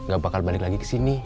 gak bakal balik lagi kesini